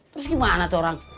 terus gimana tuh orang